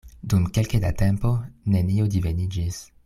Dum kelke da tempo nenio diveniĝis.